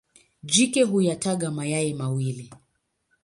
Jike huyataga mayai mawili.